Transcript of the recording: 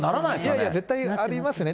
いやいや、絶対ありますね。